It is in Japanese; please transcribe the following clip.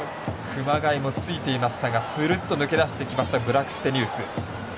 熊谷もついていきましたがするっと抜けてきたブラクステニウス。